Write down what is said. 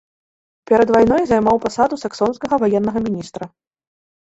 Перад вайной займаў пасаду саксонскага ваеннага міністра.